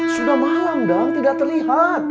sudah malam dong tidak terlihat